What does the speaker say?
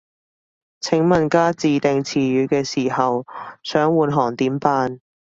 請問加自訂詞語嘅時候，想換行點辦